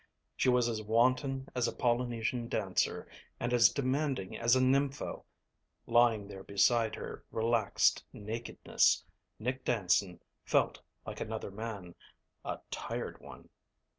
She was as wanton as a Polynesian dancer and as demanding as a nympho. Lying there beside her relaxed nakedness, Nick Danson felt like another man a tired one.